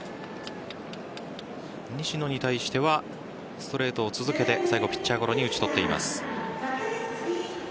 西野に対してはストレートを続けて最後、ピッチャーゴロに打ち取っています。